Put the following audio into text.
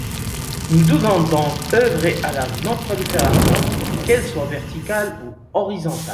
Nous devons donc œuvrer à la non-prolifération, qu’elle soit verticale ou horizontale.